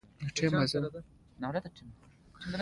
هغه په خپل لټون کې ډېر جدي معلومېده.